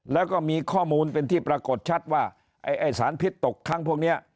แล้วก็มีข้อมูลเป็นที่ปรากฏชัดว่าไอ้สารพิษตกครั้งพวกนี้